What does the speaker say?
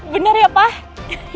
bener ya pak